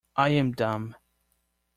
I am dumb.